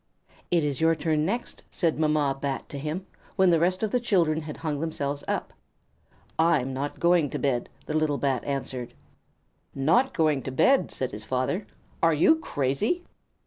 "It is your turn next," said Mamma Bat to him, when the rest of the children had hung themselves up. "I'm not going to bed," the little Bat answered. "Not going to bed!" said his father. "Are you crazy?"